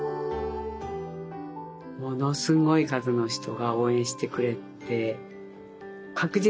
ものすごい数の人が応援してくれて。